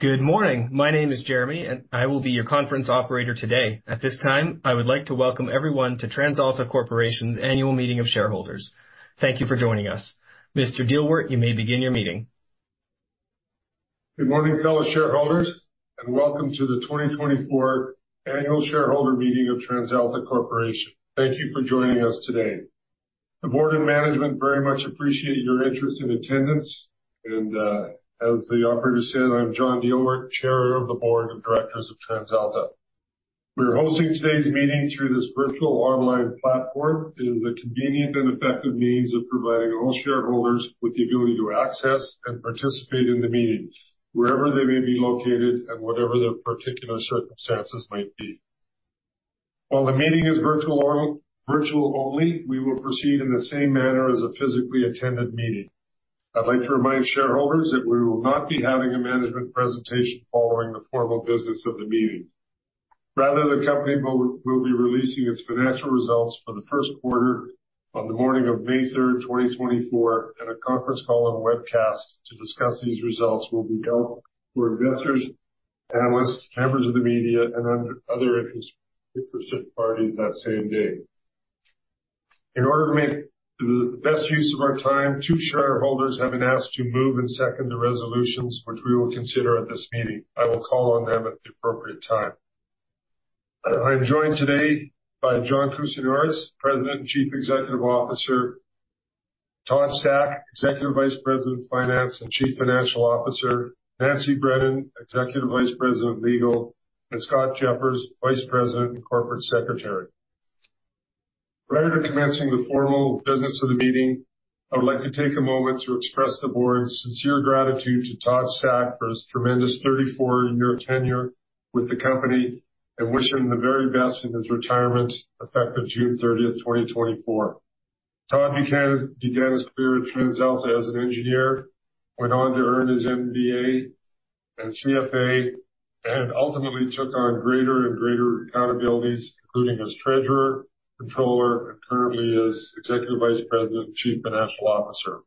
Good morning. My name is Jeremy, and I will be your conference operator today. At this time, I would like to welcome everyone to TransAlta Corporation's Annual Meeting of Shareholders. Thank you for joining us. Mr. Dielwart, you may begin your meeting. Good morning, fellow shareholders, and welcome to the 2024 Annual Shareholder Meeting of TransAlta Corporation. Thank you for joining us today. The Board and Management very much appreciate your interest and attendance. As the operator said, I'm John Dielwart, Chair of the Board of Directors of TransAlta. We're hosting today's meeting through this virtual online platform. It is a convenient and effective means of providing all shareholders with the ability to access and participate in the meeting, wherever they may be located and whatever their particular circumstances might be. While the meeting is virtual only, we will proceed in the same manner as a physically attended meeting. I'd like to remind shareholders that we will not be having a management presentation following the formal business of the meeting. Rather, the company will be releasing its financial results for the first quarter on the morning of May 3rd, 2024, and a conference call and webcast to discuss these results will be held for investors, analysts, members of the media, and other interested parties that same day. In order to make the best use of our time, two shareholders have been asked to move and second the resolutions, which we will consider at this meeting. I will call on them at the appropriate time. I'm joined today by John Kousinioris, President and Chief Executive Officer, Todd Stack, Executive Vice President of Finance and Chief Financial Officer, Nancy Brennan, Executive Vice President of Legal, and Scott Jeffers, Vice President and Corporate Secretary. Prior to commencing the formal business of the meeting, I would like to take a moment to express the Board's sincere gratitude to Todd Stack for his tremendous 34-year tenure with the company and wish him the very best in his retirement, effective June 30th, 2024. Todd began his career at TransAlta as an engineer, went on to earn his MBA and CFA, and ultimately took on greater and greater accountabilities, including as Treasurer, Controller, and currently as Executive Vice President and Chief Financial Officer.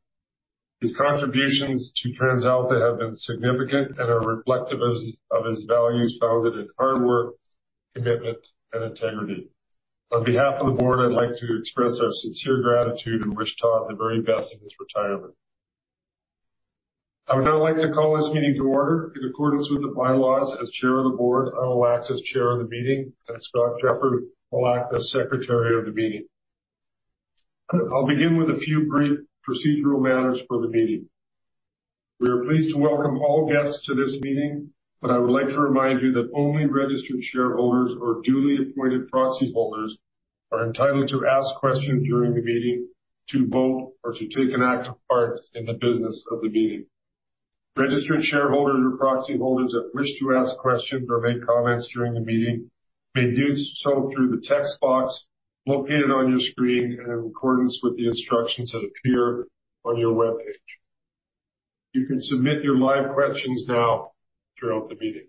His contributions to TransAlta have been significant and are reflective of his values founded in hard work, commitment, and integrity. On behalf of the Board, I'd like to express our sincere gratitude and wish Todd the very best in his retirement. I would now like to call this meeting to order. In accordance with the bylaws, as Chair of the Board, I will act as Chair of the meeting, and Scott Jeffers will act as Secretary of the meeting. I'll begin with a few brief procedural matters for the meeting. We are pleased to welcome all guests to this meeting, but I would like to remind you that only registered shareholders or duly appointed proxy holders are entitled to ask questions during the meeting, to vote, or to take an active part in the business of the meeting. Registered shareholders or proxy holders that wish to ask questions or make comments during the meeting may do so through the text box located on your screen and in accordance with the instructions that appear on your webpage. You can submit your live questions now throughout the meeting.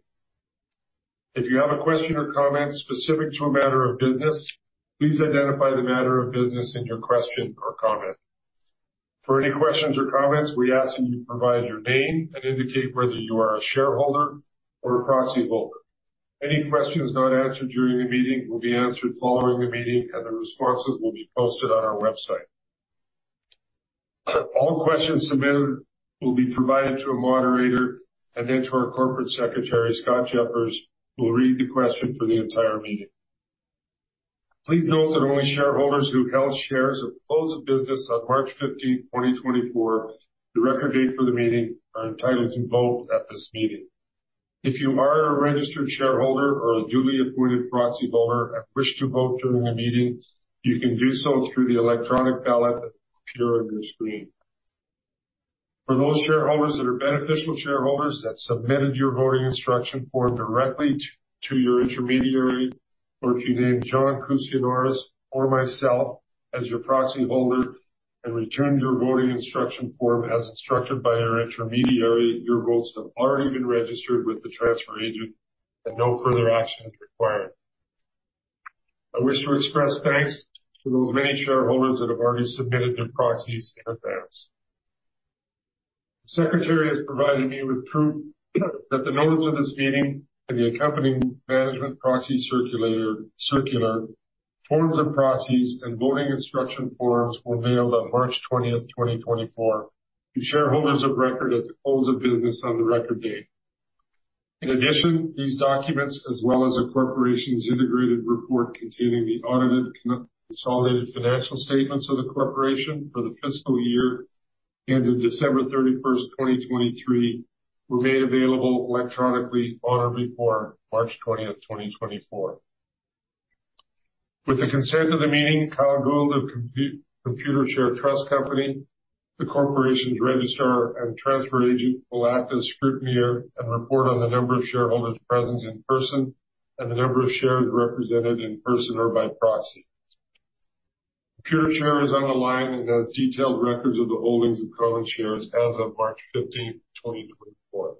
If you have a question or comment specific to a matter of business, please identify the matter of business in your question or comment. For any questions or comments, we ask that you provide your name and indicate whether you are a shareholder or a proxy holder. Any questions not answered during the meeting will be answered following the meeting, and the responses will be posted on our website. All questions submitted will be provided to a moderator and then to our Corporate Secretary, Scott Jeffers, who will read the question for the entire meeting. Please note that only shareholders who held shares at the close of business on March 15th, 2024, the record date for the meeting, are entitled to vote at this meeting. If you are a registered shareholder or a duly appointed proxy voter and wish to vote during the meeting, you can do so through the electronic ballot that will appear on your screen. For those shareholders that are beneficial shareholders that submitted your voting instruction form directly to your intermediary, or if you named John Kousinioris or myself as your proxy holder and returned your voting instruction form as instructed by your intermediary, your votes have already been registered with the transfer agent and no further action is required. I wish to express thanks to those many shareholders that have already submitted their proxies in advance. The Secretary has provided me with proof that the notice of this meeting and the accompanying Management Proxy Circular, forms of proxies, and voting instruction forms were mailed on March 20th, 2024 to shareholders of record at the close of business on the record date. In addition, these documents, as well as the Corporation's Integrated Report containing the audited consolidated financial statements of the Corporation for the fiscal year ending December 31st, 2023, were made available electronically on or before March 20th, 2024. With the consent of the meeting, Kyle Gould of Computershare Trust Company, the Corporation's Registrar and Transfer Agent, will act as Scrutineer and report on the number of shareholders present in person and the number of shares represented in person or by proxy. Computershare is online and has detailed records of the holdings of current shares as of March 15th, 2024.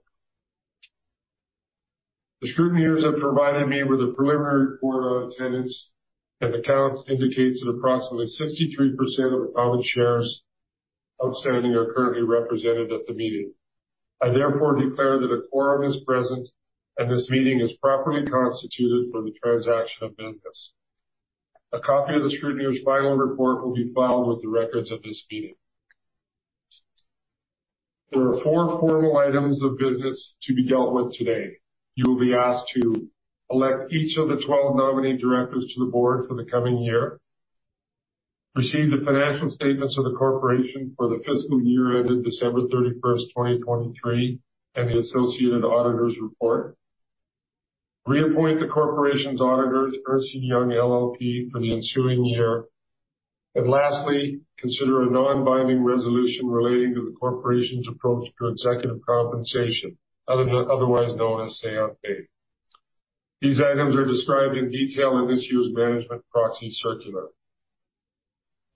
The scrutineers have provided me with a preliminary quorum attendance, and a count indicates that approximately 63% of the common shares outstanding are currently represented at the meeting. I therefore declare that a quorum is present and this meeting is properly constituted for the transaction of business. A copy of the Scrutineers' final report will be filed with the records of this meeting. There are four formal items of business to be dealt with today. You will be asked to elect each of the 12 nominee Directors to the Board for the coming year, receive the financial statements of the Corporation for the fiscal year ended December 31st, 2023, and the associated Auditor's Report, reappoint the Corporation's auditors, Ernst & Young LLP, for the ensuing year, and lastly, consider a non-binding resolution relating to the Corporation's approach to executive compensation, otherwise known as Say-on-Pay. These items are described in detail in this year's Management Proxy Circular.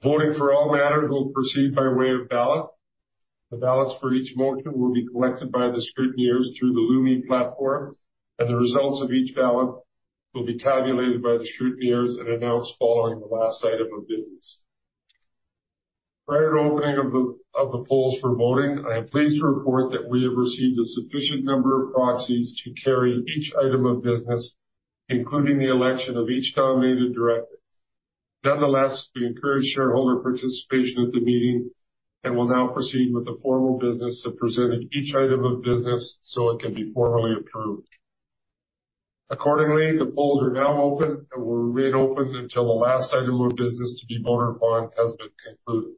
Voting for all matters will proceed by way of ballot. The ballots for each motion will be collected by the Scrutineers through the Lumi platform, and the results of each ballot will be tabulated by the Scrutineers and announced following the last item of business. Prior to opening of the polls for voting, I am pleased to report that we have received a sufficient number of proxies to carry each item of business, including the election of each nominated Director. Nonetheless, we encourage shareholder participation at the meeting and will now proceed with the formal business of presenting each item of business so it can be formally approved. Accordingly, the polls are now open and will remain open until the last item of business to be voted upon has been concluded.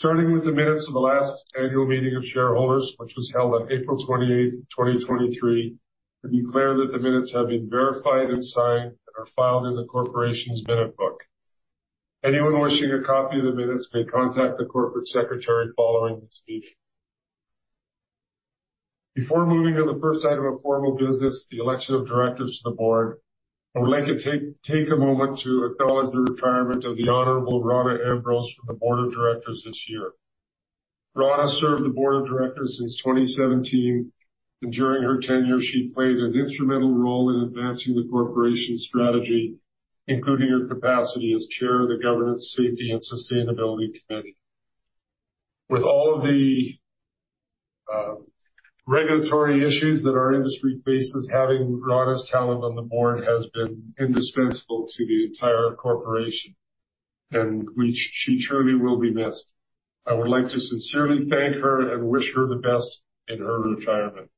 Starting with the minutes of the last Annual Meeting of Shareholders, which was held on April 28th, 2023, I declare that the minutes have been verified and signed and are filed in the Corporation's minute book. Anyone wishing a copy of the minutes may contact the Corporate Secretary following this meeting. Before moving to the first item of formal business, the election of Directors to the Board, I would like to take a moment to acknowledge the retirement of the Honorable Rona Ambrose from the Board of Directors this year. Rona served the Board of Directors since 2017, and during her tenure, she played an instrumental role in advancing the Corporation's strategy, including her capacity as Chair of the Governance, Safety and Sustainability Committee. With all of the regulatory issues that our industry faces, having Rona's talent on the Board has been indispensable to the entire Corporation, and she truly will be missed. I would like to sincerely thank her and wish her the best in her retirement.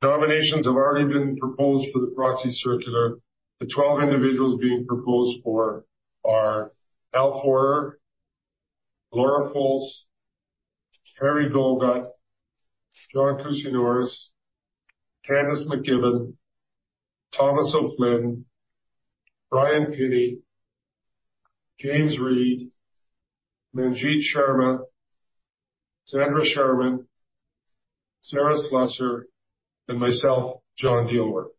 Nominations have already been proposed for the proxy circular. The 12 individuals being proposed for are Alan Fohrer, Laura Folse, Harry Goldgut, John Kousinioris, Candace MacGibbon, Thomas O'Flynn, Bryan Pinney, James Reid, Manjit Sharma, Sandra Sharman, Sarah Slusser, and myself, John Dielwart.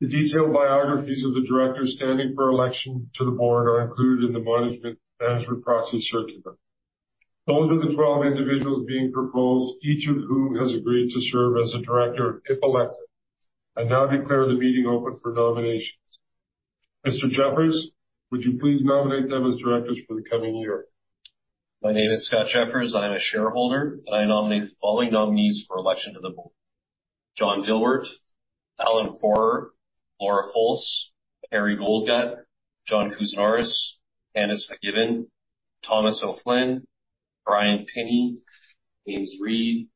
The detailed biographies of the Directors standing for election to the Board are included in the Management Proxy Circular. Those are the 12 individuals being proposed, each of whom has agreed to serve as a Director, if elected. I now declare the meeting open for nominations. Mr. Jeffers, would you please nominate them as Directors for the coming year? My name is Scott Jeffers. I am a shareholder, and I nominate the following nominees for election to the Board, John Dielwart, Alan Fohrer, Laura Folse, Harry Goldgut, John Kousinioris, Candace MacGibbon, Thomas O'Flynn, Bryan Pinney, James Reid,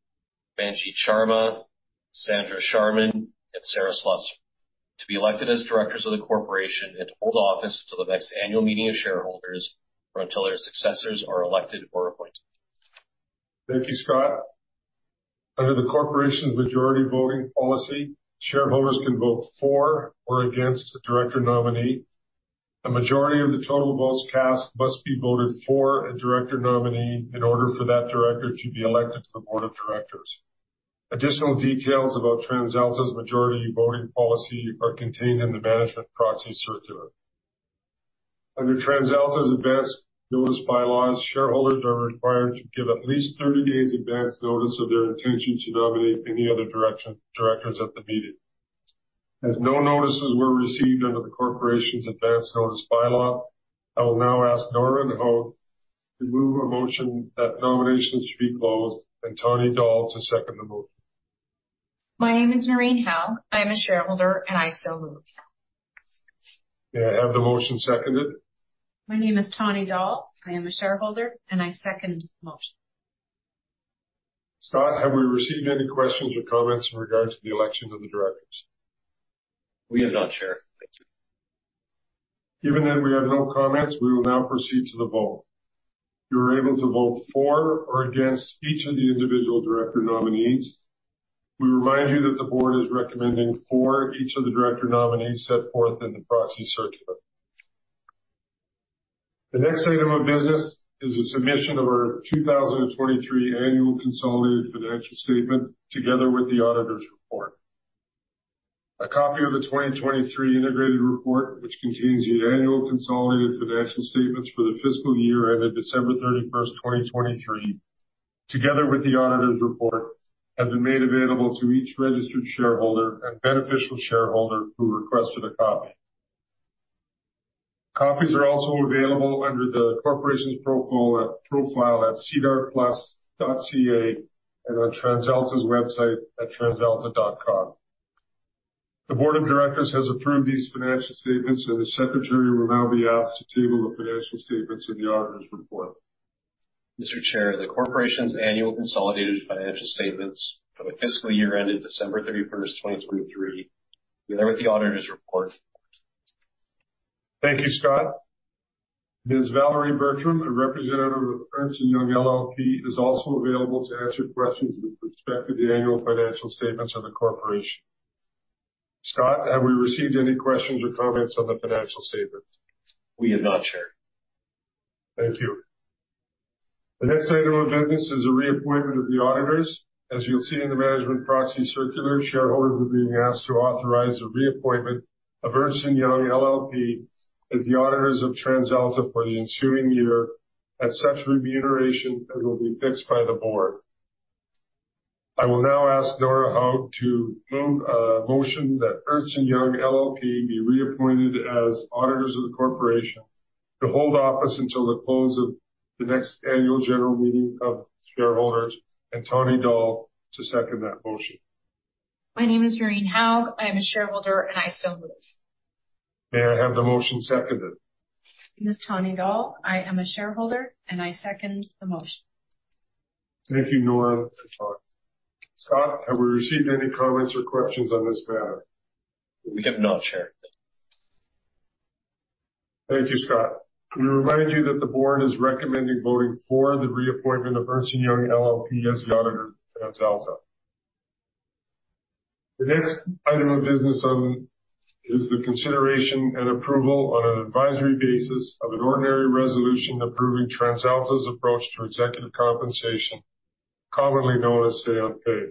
Manjit Sharma, Sandra Sharman, and Sarah Slusser, to be elected as Directors of the Corporation and to hold office until the next annual meeting of shareholders or until their successors are elected or appointed. Thank you, Scott. Under the Corporation's Majority Voting Policy, shareholders can vote for or against a Director nominee. A majority of the total votes cast must be voted for a Director nominee in order for that Director to be elected to the Board of Directors. Additional details about TransAlta's Majority Voting Policy are contained in the Management Proxy Circular. Under TransAlta's Advance Notice Bylaws, shareholders are required to give at least 30 days advance notice of their intention to nominate any other Directors at the meeting. As no notices were received under the Corporation's Advance Notice Bylaw, I will now ask Noreen Haug to move a motion that nominations should be closed and Tawnie Dahl to second the motion. My name is Noreen Haug. I am a shareholder, and I so move. May I have the motion seconded? My name is Tawnie Dahl. I am a shareholder, and I second the motion. Scott, have we received any questions or comments in regards to the election of the Directors? We have not, Chair. Thank you. Given that we have no comments, we will now proceed to the vote. You are able to vote for or against each of the individual Director nominees. We remind you that the Board is recommending for each of the Director nominees set forth in the Proxy Circular. The next item of business is the submission of our 2023 Annual Consolidated Financial Statement, together with the Auditor's Report. A copy of the 2023 Integrated Report, which contains the annual consolidated financial statements for the fiscal year ended December 31st, 2023, together with the Auditor's Report, have been made available to each registered shareholder and beneficial shareholder who requested a copy. Copies are also available under the Corporation's profile at sedarplus.ca and on TransAlta's website at transalta.com. The Board of Directors has approved these financial statements, and the Secretary will now be asked to table the financial statements and the Auditor's Report. Mr. Chair, the Corporation's annual consolidated financial statements for the fiscal year ended December 31st, 2023, together with the auditor's report. Thank you, Scott. Ms. Valerie Bertram, a representative of Ernst & Young LLP, is also available to answer questions with respect to the annual financial statements of the corporation. Scott, have we received any questions or comments on the financial statements? We have not, Chair. Thank you. The next item of business is the reappointment of the Auditors. As you'll see in the Management Proxy Circular, shareholders are being asked to authorize the reappointment of Ernst & Young LLP as the Auditors of TransAlta for the ensuing year at such remuneration as will be fixed by the Board. I will now ask Noreen Haug to move a motion that Ernst & Young LLP be reappointed as Auditors of the Corporation to hold office until the close of the next Annual General Meeting of shareholders, and Tawnie Dahl to second that motion. My name is Noreen Haug. I am a shareholder, and I so move. May I have the motion seconded? My name is Tawnie Dahl. I am a shareholder, and I second the motion. Thank you, Noreen and Tawnie. Scott, have we received any comments or questions on this matter? We have not, Chair. Thank you, Scott. We remind you that the Board is recommending voting for the reappointment of Ernst & Young LLP as the Auditor of TransAlta. The next item of business is the consideration and approval on an advisory basis of an ordinary resolution approving TransAlta's approach to executive compensation, commonly known as Say-on-Pay.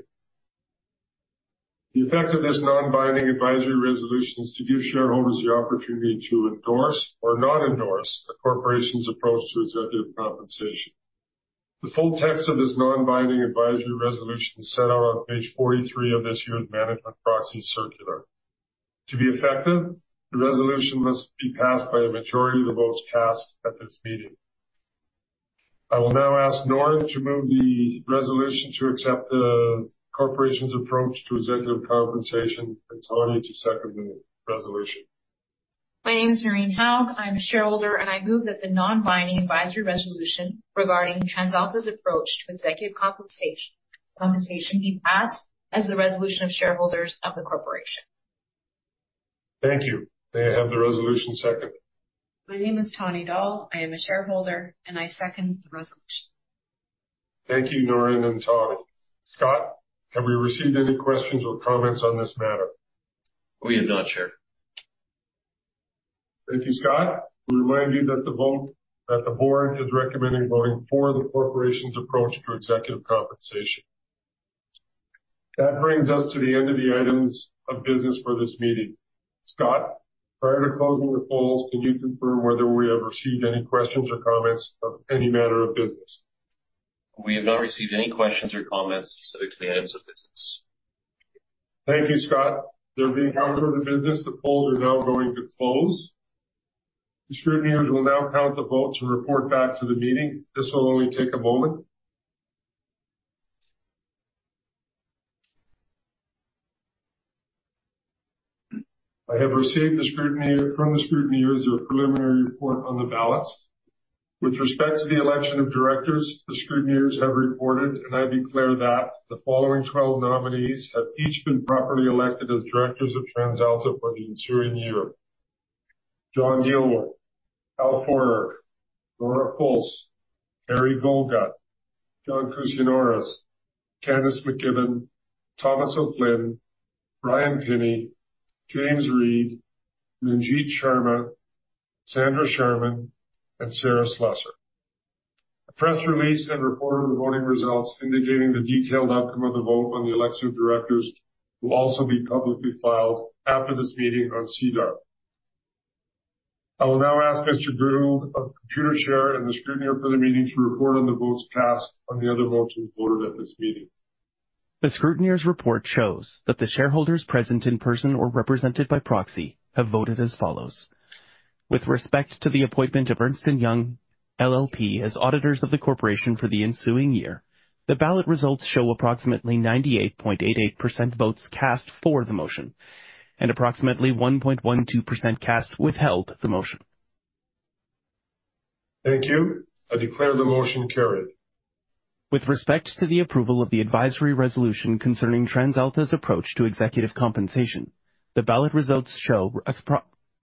The effect of this non-binding advisory resolution is to give shareholders the opportunity to endorse or not endorse the Corporation's approach to executive compensation. The full text of this non-binding advisory resolution is set out on page 43 of this year's Management Proxy Circular. To be effective, the resolution must be passed by a majority of the votes cast at this meeting. I will now ask Noreen to move the resolution to accept the Corporation's approach to executive compensation, and Tawnie to second the resolution. My name is Noreen Haug. I'm a shareholder, and I move that the non-binding advisory resolution regarding TransAlta's approach to executive compensation be passed as the resolution of shareholders of the corporation. Thank you. May I have the resolution second? My name is Tawnie Dahl. I am a shareholder, and I second the resolution. Thank you, Noreen and Tawnie. Scott, have we received any questions or comments on this matter? We have not, Chair. Thank you, Scott. We remind you that the Board is recommending voting for the Corporation's approach to executive compensation. That brings us to the end of the items of business for this meeting. Scott, prior to closing the polls, can you confirm whether we have received any questions or comments on any matter of business? We have not received any questions or comments specific to the items of business. Thank you, Scott. There being no further business, the polls are now going to close. The Scrutineers will now count the votes and report back to the meeting. This will only take a moment. I have received from the Scrutineers their preliminary report on the ballots. With respect to the election of Directors, the Scrutineers have reported, and I declare that the following 12 nominees have each been properly elected as Directors of TransAlta for the ensuing year. John Dielwart, Alan Fohrer, Laura Folse, Harry Goldgut, John Kousinioris, Candace MacGibbon, Thomas O'Flynn, Bryan Pinney, James Reid, Manjit Sharma, Sandra Sharman, and Sarah Slusser. A press release and report of the voting results indicating the detailed outcome of the vote on the election of Directors will also be publicly filed after this meeting on SEDAR. I will now ask Mr. Gould, our Computershare and the Scrutineer for the meeting, to report on the votes cast on the other motions voted at this meeting. The Scrutineer's Report shows that the shareholders present in person or represented by proxy have voted as follows. With respect to the appointment of Ernst & Young LLP as auditors of the Corporation for the ensuing year, the ballot results show approximately 98.88% votes cast for the motion and approximately 1.12% cast withheld the motion. Thank you. I declare the motion carried. With respect to the approval of the advisory resolution concerning TransAlta's approach to executive compensation, the ballot results show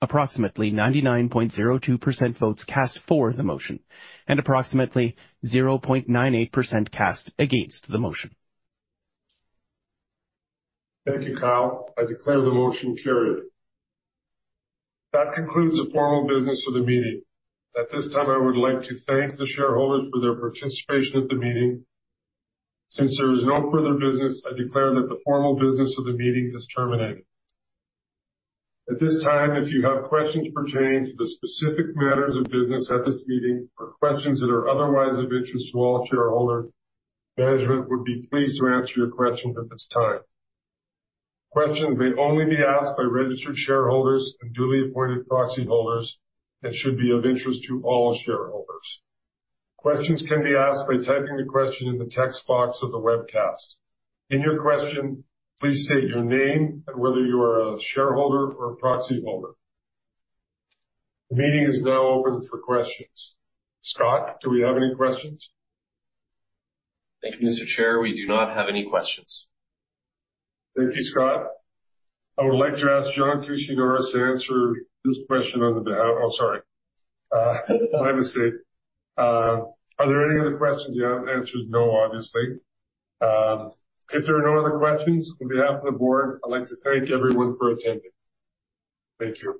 approximately 99.02% votes cast for the motion and approximately 0.98% cast against the motion. Thank you, Kyle. I declare the motion carried. That concludes the formal business of the meeting. At this time, I would like to thank the shareholders for their participation at the meeting. Since there is no further business, I declare that the formal business of the meeting is terminated. At this time, if you have questions pertaining to the specific matters of business at this meeting or questions that are otherwise of interest to all shareholders, management would be pleased to answer your questions at this time. Questions may only be asked by registered shareholders and duly appointed proxy holders and should be of interest to all shareholders. Questions can be asked by typing the question in the text box of the webcast. In your question, please state your name and whether you are a shareholder or a proxy holder. The meeting is now open for questions. Scott, do we have any questions? Thank you, Mr. Chair. We do not have any questions. Thank you, Scott. I would like to ask John Kousinioris to answer this question. Oh, sorry. My mistake. Are there any other questions? The answer is no, obviously. If there are no other questions, on behalf of the Board, I'd like to thank everyone for attending. Thank you.